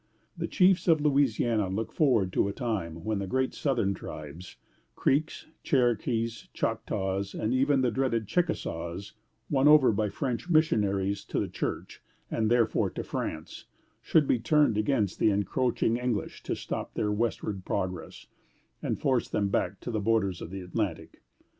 The chiefs of Louisiana looked forward to a time when the great southern tribes, Creeks, Cherokees, Choctaws, and even the dreaded Chickasaws, won over by French missionaries to the Church, and therefore to France, should be turned against the encroaching English to stop their westward progress and force them back to the borders of the Atlantic.